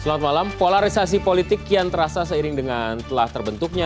selamat malam polarisasi politik kian terasa seiring dengan telah terbentuknya